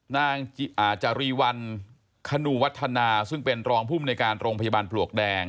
นางจรีวัลคณูวัฒนาซึ่งเป็นรองภูมิในการโรงพยาบาลปลวกแดง